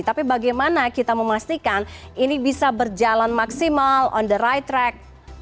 tapi bagaimana kita memastikan ini bisa berjalan maksimal on the right track